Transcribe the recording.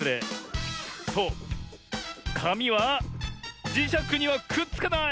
そうかみはじしゃくにはくっつかない！